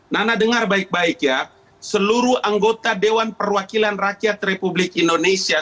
nana dengar baik baik ya seluruh anggota dewan perwakilan rakyat republik indonesia